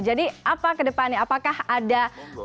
jadi apa kedepannya apakah ada